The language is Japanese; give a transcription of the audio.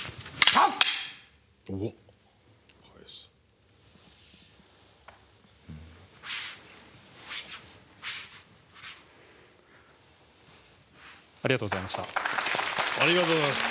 ありがとうございます。